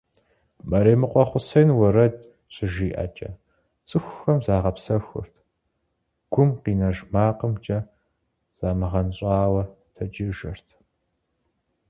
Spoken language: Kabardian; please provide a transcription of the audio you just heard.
Мэремыкъуэ Хъусен уэрэд щыжиӀэкӀэ цӀыхухэм загъэпсэхурт, гум къинэж макъымкӀэ замыгъэнщӀауэ тэджыжырт.